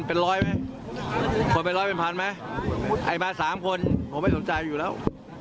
เป็นร้อยไหมคนเป็นร้อยเป็นพันไหมไอ้มาสามคนผมไม่สนใจอยู่แล้ว